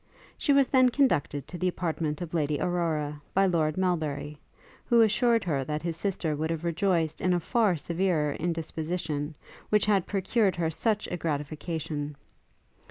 She was then conducted to the apartment of Lady Aurora, by Lord Melbury, who assured her that his sister would have rejoiced in a far severer indisposition, which had procured her such a gratification.